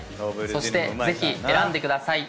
そしてぜひ選んでください。